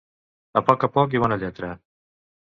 A poc a poc i bona lletra.